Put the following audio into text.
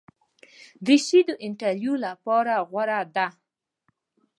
دریشي د انټرویو لپاره غوره ده.